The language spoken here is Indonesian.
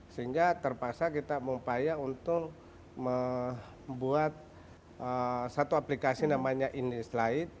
sehingga terpaksa kita mempaya untuk membuat satu aplikasi namanya indies light